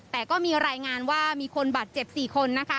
แต่ก็มีรายงานว่ามีคนบาดเจ็บ๔คนนะคะ